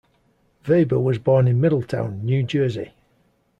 Weber was born in Middletown, New Jersey.